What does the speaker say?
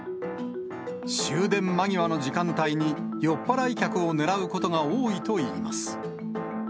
終電間際の時間帯に、酔っ払い客を狙うことが多いといいます。